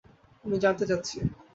আমি জানতে চাচ্ছি।